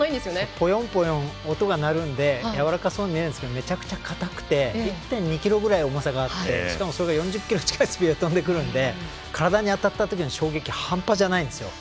ポヨンポヨン音が鳴るんでやわらかそうに見えるんですけどめちゃくちゃ硬くて１．２ｋｇぐらい重さがあってしかもそれが４０キロ近いスピードで飛んでくるんで体に当たったときの衝撃半端じゃないんですよ。